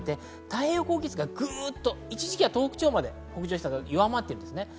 太平洋高気圧がグッと一時期は東北地方まで北上してましたが、弱まっています。